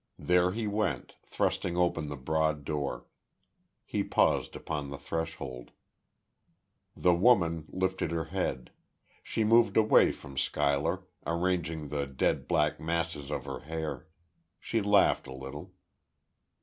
There he went, thrusting open the broad door. He paused upon the threshold.... The woman, lifted her head.... She moved away from Schuyler, arranging the dead black masses of her hair.... She laughed a little.